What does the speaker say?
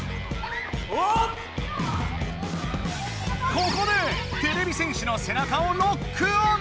ここでてれび戦士のせなかをロックオン！